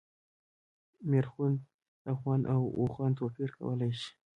میرخوند د افغان او اوغان توپیر کولای شي.